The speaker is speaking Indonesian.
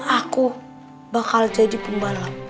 aku bakal jadi pembalap